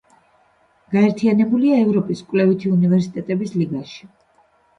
გაერთიანებულია ევროპის კვლევითი უნივერსიტეტების ლიგაში.